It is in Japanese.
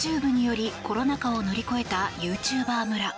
ＹｏｕＴｕｂｅによりコロナ禍を乗り越えたユーチューバー村。